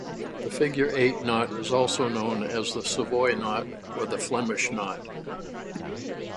The figure-eight knot is also known as the savoy knot or the Flemish knot.